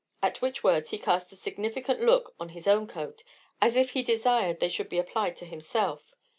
At which words he cast a significant look on his own coat, as if he desired they should be applied to himself.